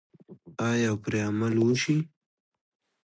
آیا او پرې عمل وشي؟